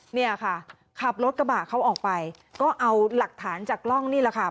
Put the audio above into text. เนี่ยค่ะขับรถกระบะเขาออกไปก็เอาหลักฐานจากกล้องนี่แหละค่ะ